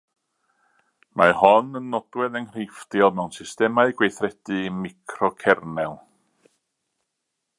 Mae hon yn nodwedd enghreifftiol mewn systemau gweithredu microkernel.